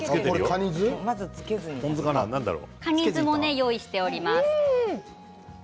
カニ酢も用意しております。